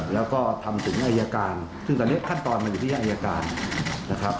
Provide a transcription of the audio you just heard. แล้วก็ทำถึงอายการซึ่งตอนนี้ขั้นตอนมันอยู่ที่อายการนะครับ